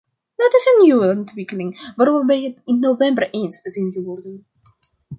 Dat is een nieuwe ontwikkeling, waarover we het in november eens zijn geworden.